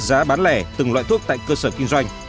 giá bán lẻ từng loại thuốc tại cơ sở kinh doanh